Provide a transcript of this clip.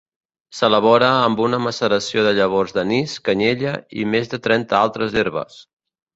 S'elabora amb una maceració de llavors d'anís, canyella i més de trenta altres herbes.